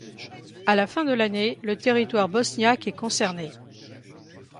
À la fin de l'année, le territoire bosniaque est concerné.